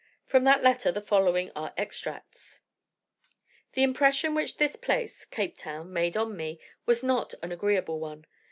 From that letter the following are extracts: "'The impression which this place (Cape Town) made on me, was not an agreeable one.